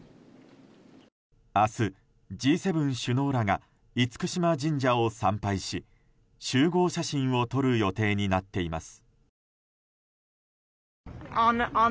明日、Ｇ７首脳らが厳島神社を参拝し集合写真を撮る予定になっています。